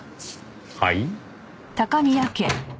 はい？